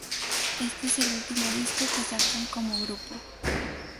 Éste es el último disco que sacan como grupo.